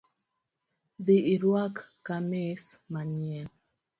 Dhi iruak kamis manyien